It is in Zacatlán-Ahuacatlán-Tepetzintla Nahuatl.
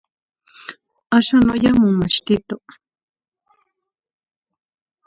Axan oyah omomachtito.